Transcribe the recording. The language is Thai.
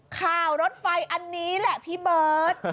ข่าวรถไฟอันนี้แหละพี่เบิร์ต